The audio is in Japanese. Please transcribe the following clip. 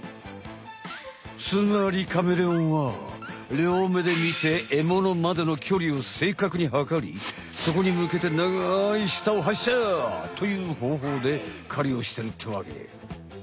つまりカメレオンは両目で見てえものまでの距離をせいかくに測りそこにむけて長い舌を発射！というほうほうでかりをしてるってわけ。